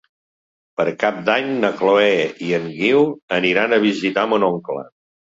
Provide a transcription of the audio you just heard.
Per Cap d'Any na Chloé i en Guiu aniran a visitar mon oncle.